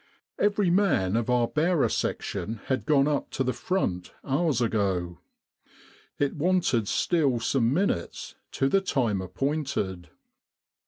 Every man of our bearer section had gone up to the front hours ago. It wanted still some minutes to the time appointed.